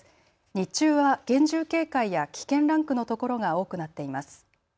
日中は厳重警戒や危険ランクのところが多くなっています。